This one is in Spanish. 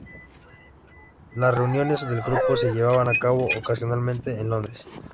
Las reuniones del grupo se llevaban a cabo ocasionalmente en Londres.